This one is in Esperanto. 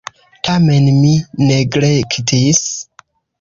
Tamen mi neglektis.